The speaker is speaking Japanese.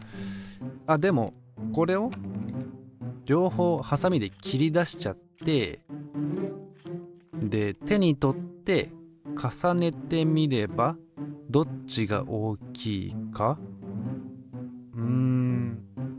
あっでもこれを両方ハサミで切り出しちゃってで手に取って重ねてみればどっちが大きいかうんやっぱイマイチわかんないな。